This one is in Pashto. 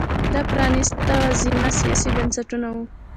دا پرانیست وزمه سیاسي بنسټونه وو